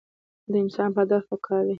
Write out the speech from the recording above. د انسان پۀ هدف پکار دے -